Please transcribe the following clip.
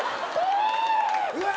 うわ！